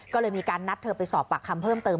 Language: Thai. ก็เลยมีการนัดเธอไปสอบปากคำเพิ่มเติม